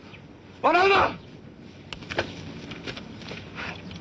笑うな。